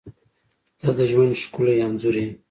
• ته د ژوند ښکلی انځور یې.